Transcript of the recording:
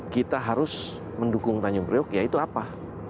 kita harus mendukung tanjung priuk ya itu apa